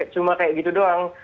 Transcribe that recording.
cuma kayak gitu doang